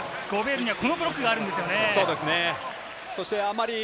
ゴベールにはこのブロックがあるんですよね。